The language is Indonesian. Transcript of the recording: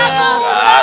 iya pak ustadz